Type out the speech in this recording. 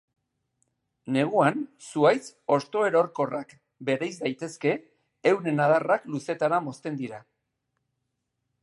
Neguan, zuhaitz hostoerorkorrak bereiz daitezke, euren adarrak luzetara mozten dira.